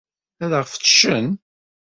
Ad aɣ-fettcen?